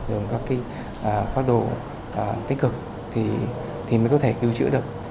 đường các cái phát đồ tích cực thì mới có thể cứu chữa được